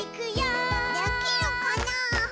できるかなぁ？